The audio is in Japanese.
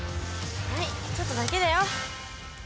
はいちょっとだけだよ。